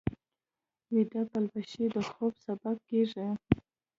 ویده پلوشې د خوب سبب کېږي